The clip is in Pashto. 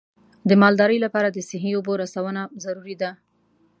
د مالدارۍ لپاره د صحي اوبو رسونه ضروري ده.